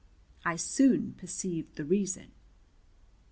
I soon perceived the reason.